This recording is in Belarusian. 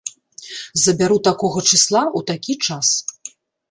Забяру такога чысла ў такі час.